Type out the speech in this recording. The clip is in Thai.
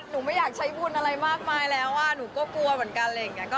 หนูไม่อยากใช้บุญอะไรมากมายแล้วว่าหนูก็กลัวเหมือนกัน